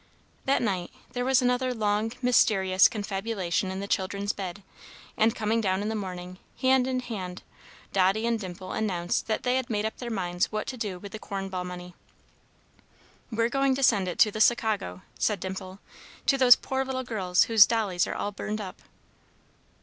That night there was another long, mysterious confabulation in the children's bed; and, coming down in the morning, hand in hand, Dotty and Dimple announced that they had made up their minds what to do with the corn ball money. "We're going to send it to the Sicago," said Dimple, "to those poor little girls whose dollies are all burned up!"